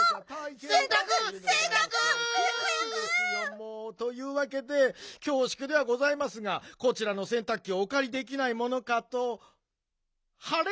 せんたくせんたく！早く早く！というわけできょうしゅくではございますがこちらのせんたくきをおかりできないものかとはれ？